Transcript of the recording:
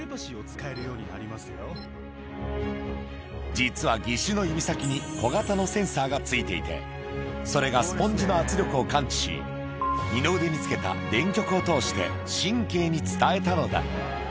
実は義手の指先に小型のセンサーがついていて、それがスポンジの圧力を感知し、二の腕につけた電極を通して神経に伝えたのだ。